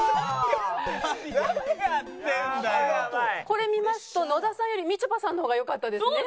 これ見ますと野田さんよりみちょぱさんの方がよかったですね。